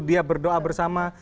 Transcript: dia berdoa bersama